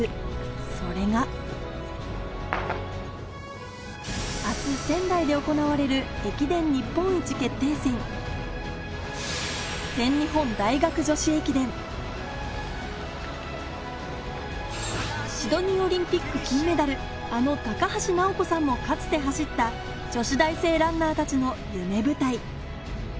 それが明日仙台で行われるシドニーオリンピック金メダルあの高橋尚子さんもかつて走った女子大生ランナーたちの夢舞台